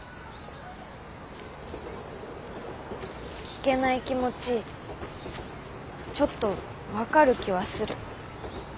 聞けない気持ちちょっと分かる気はする。